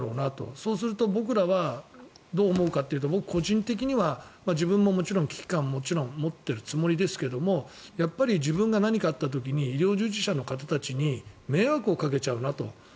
そうすると僕らはどう思うかというと個人的には自分ももちろん危機感を持っているつもりですがやっぱり自分が何かあった時に医療従事者の方たちに迷惑をかけちゃうなと。